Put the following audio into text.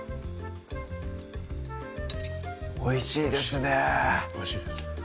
おいしいですねおいしいです